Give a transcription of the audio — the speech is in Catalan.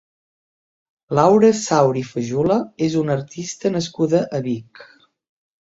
Laura Sauri Fajula és una artista nascuda a Vic.